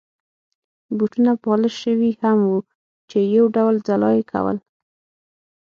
بوټونه پالش شوي هم وو چې یو ډول ځلا يې کول.